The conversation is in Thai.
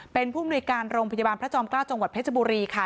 เป็นผู้มนุยการโรงพยาบาลพระจอมเกล้าจังหวัดเพชรบุรีค่ะ